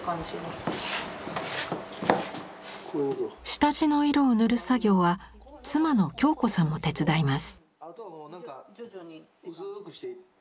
下地の色を塗る作業は妻の恭子さんも手伝います。